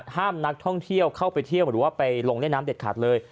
ห้ามนักท่องเที่ยวเข้าไปเที่ยวหรือว่าไปลงเล่นน้ำเด็ดขาดเลย